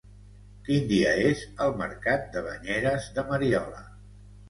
Quin dia és el mercat de Banyeres de Mariola?